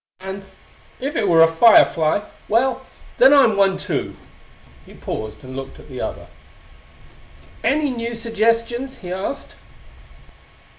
And if it was a fire fly well, then I'm one too." He paused, and looked at the other. "Any new suggestions?" he asked.